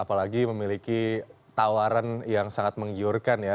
apalagi memiliki tawaran yang sangat menggiurkan ya